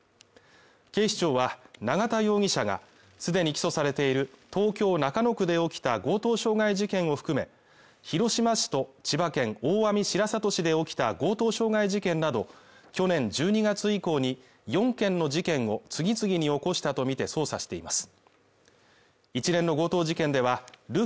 警視庁は永田容疑者が既に起訴されている東京・中野区で起きた強盗傷害事件を含め、広島市と千葉県大網白里市で起きた強盗傷害事件など去年１２月以降に４件の事件を次々に起こしたとみて捜査しています。